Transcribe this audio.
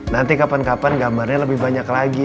nanti kapan kapan gambarnya lebih banyak lagi